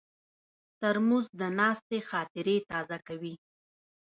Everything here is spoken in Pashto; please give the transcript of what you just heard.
ترموز د ناستې خاطرې تازه کوي.